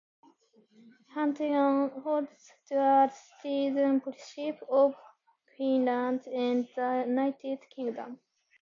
Huntington holds dual citizenship of Finland and the United Kingdom.